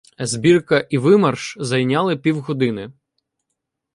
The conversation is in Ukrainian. Збірка і вимарш зайняли півгодини.